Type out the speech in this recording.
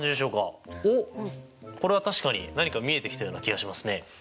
おっこれは確かに何か見えてきたような気がしますね。